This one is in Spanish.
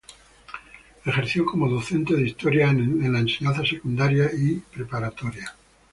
Ejerció como docente de historia en Enseñanza Secundaria y Preparatoria.